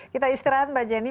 kita istirahat mbak jenny